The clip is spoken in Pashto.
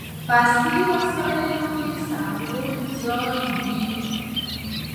په عصري وسایلو سمبال ځای یې و.